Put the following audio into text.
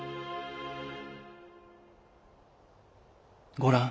「ごらん。